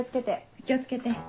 お気を付けて。